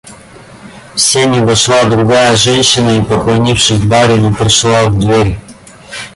В сени вошла другая женщина и, поклонившись барину, прошла в дверь.